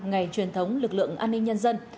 ngày truyền thống lực lượng an ninh nhân dân